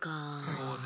そうね。